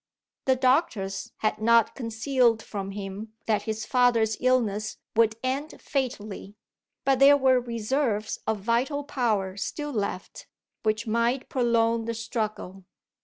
The doctors had not concealed from him that his father's illness would end fatally; but there were reserves of vital power still left, which might prolong the struggle.